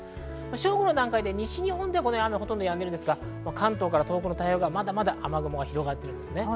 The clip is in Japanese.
正午の段階で西日本の雨はほとんどやむんですが、関東から東北はまだまだ雨雲が広がっています。